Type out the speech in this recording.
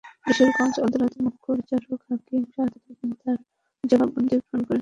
কিশোরগঞ্জ আদালতের মুখ্য বিচারিক হাকিম শাহাদত হোসেন তাঁর জবানবন্দি গ্রহণ করেন।